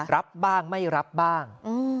รับบ้างไม่รับบ้าง